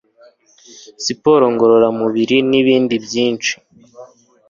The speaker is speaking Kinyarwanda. siporo ngorora mubiri, n'ibindi byinshi